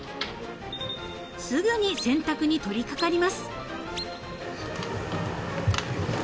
［すぐに洗濯に取り掛かります］